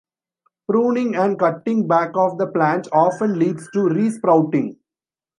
Pruning and cutting back of the plant often leads to re-sprouting.